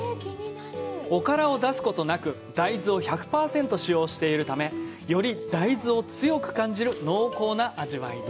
おからを出すことなく大豆を１００％使用しているためより大豆を強く感じる濃厚な味わいに。